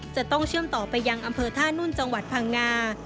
จะต้องเชื่อมต่อไปยังอำเภอท่านุ่นจังหวัดพังงา